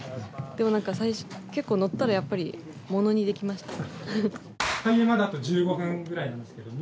でもなんか結構乗ったらやっぱりものにできました。